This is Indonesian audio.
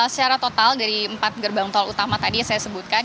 secara total dari empat gerbang tol utama tadi yang saya sebutkan